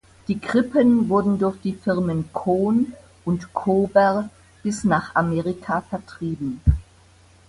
Die Krippen wurden durch die Firmen Kohn und Kober bis nach Amerika vertrieben.